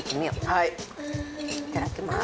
いただきます。